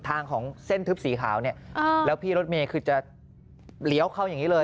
ทางของเส้นทึบสีขาวเนี่ยแล้วพี่รถเมย์คือจะเลี้ยวเข้าอย่างนี้เลย